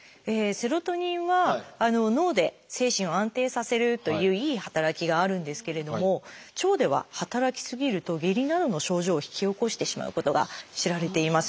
セロトニンは脳で精神を安定させるといういい働きがあるんですけれども腸では働き過ぎると下痢などの症状を引き起こしてしまうことが知られています。